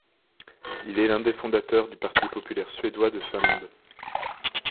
Il est l'un des fondateurs du Parti populaire suédois de Finlande.